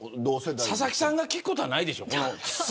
佐々木さんが聞くことはないでしょ。